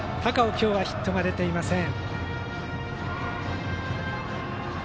今日はヒットが出ていません。